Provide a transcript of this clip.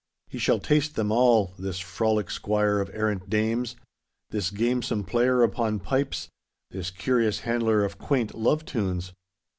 He shall taste them all, this frolic squire of errant dames, this gamesome player upon pipes, this curious handler of quaint love tunes.